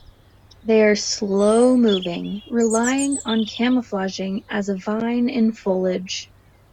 They are slow moving, relying on camouflaging as a vine in foliage.